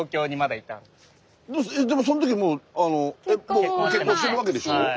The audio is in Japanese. でもその時もうあの結婚してるわけでしょ？